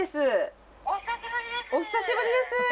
お久しぶりです。